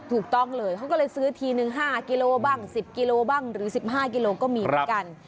ถูกต้องเลยเขาก็เลยซื้อทีนึง๕กิโลบ้าง๑๐กิโลบ้างหรือ๑๕กิโลก็มีเหมือนกัน